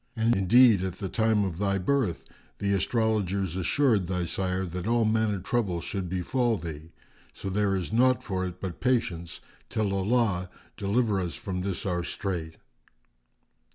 And indeed, at the time of thy birth, the astrologers assured thy sire that all manner troubles should befal thee. So there is naught for it but patience till Allah deliver us from this our strait."